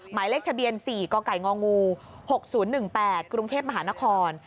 หมายเลขทะเบียน๔กกง๖๐๑๘กรุงเทพมหานคร